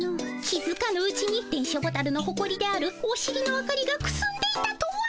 気づかぬうちに電書ボタルのほこりであるおしりの明かりがくすんでいたとは。